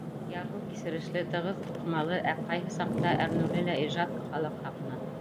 Ярһыу кисерешле, тығыҙ туҡымалы, ә ҡайһы саҡта әрнеүле лә ижад — халыҡ хаҡына!